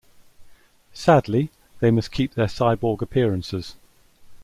Sadly, they must keep their cyborg appearances.